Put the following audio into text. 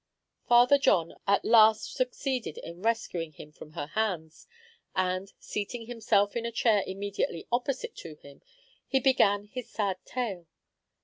Father John at last succeeded in rescuing him from her hands, and, seating himself in a chair immediately opposite to him, he began his sad tale.